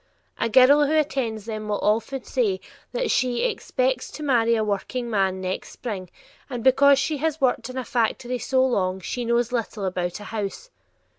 A girl who attends them will often say that she "expects to marry a workingman next spring," and because she has worked in a factory so long she knows "little about a house."